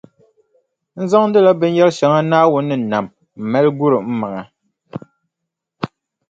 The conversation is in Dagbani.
N zaŋdila binyɛrʼ shɛŋa Naawuni ni nam m-mali guri m maŋa.